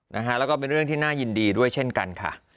แล้วก็เป็นเรื่องที่น่ายินดีด้วยเช่นกันค่ะ